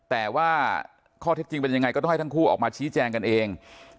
แต่ว่าข้อเท็จจริงเป็นยังไงก็ต้องให้ทั้งคู่ออกมาชี้แจงกันเอง